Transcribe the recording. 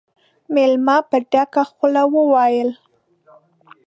مېلمه په ډکه خوله وويل: